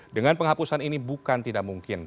dengan penghapusan ini bukan tidak mungkin